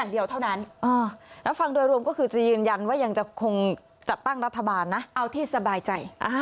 เอาที่สบายใจ